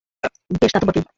বেশ, তা তো বটেই।